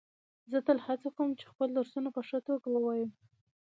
زه تل هڅه کوم چي خپل درسونه په ښه توګه ووایم.